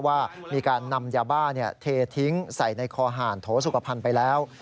ว่ามีการนำยาบ้าเททิ้งใส่ในคอหารโถสุขภัณฑ์ไปแล้ว